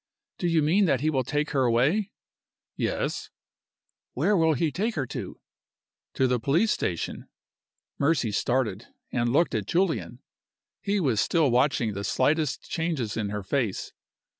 "Do you mean that he will take her away?" "Yes." "Where will he take her to?" "To the police station." Mercy started, and looked at Julian. He was still watching the slightest changes in her face.